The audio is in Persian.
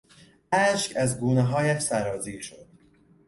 اشک از گونههایش سرازیر شد.